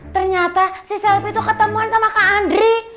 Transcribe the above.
ternyata si selfie tuh ketemuan sama ke andri